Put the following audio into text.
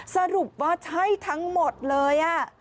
สรุปว่าใช่ทั้งหมดเลย